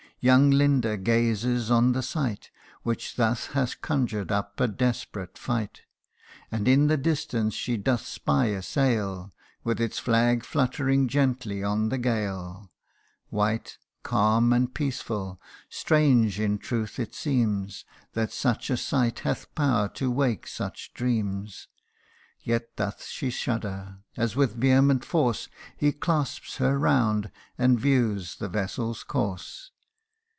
Young Linda gazes on the sight Which thus hath conjured up a desperate fight And, in the distance she doth spy a sail, With its flag fluttering gently on the gale, White, calm, and peaceful : strange in truth it seems, That such a sight hath power to wake such dreams. Yet doth she shudder, as with vehement force He clasps her round, and views the vessel's course.